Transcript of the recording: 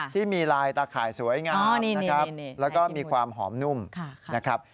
ที่มีลายตาข่ายสวยงามนะครับแล้วก็มีความหอมนุ่มนะครับ